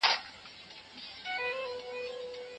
د پښتو ادب ځلانده ستوري زموږ سرلوړي ده.